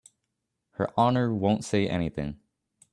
Her Honor won't say anything.